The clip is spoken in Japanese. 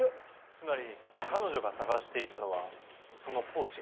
つまり彼女が捜していたのはそのポーチ？